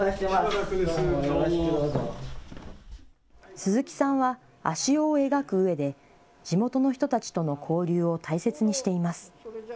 鈴木さんは足尾を描くうえで地元の人たちとの交流を大切にしています。